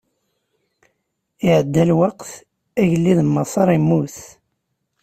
Iɛedda lweqt, agellid n Maṣer immut.